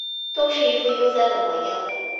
都是一副悠哉的模样